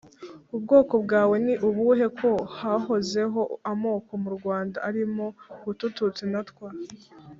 ubwoko bwawe ni ubuhe ko hahozeho amoko mu Rwanda arimo hutu ,tutsi na twa